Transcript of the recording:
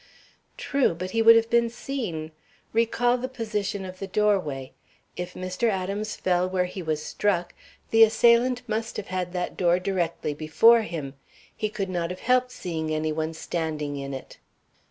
"True, but he would have been seen. Recall the position of the doorway. If Mr. Adams fell where he was struck, the assailant must have had that door directly before him. He could not have helped seeing any one standing in it."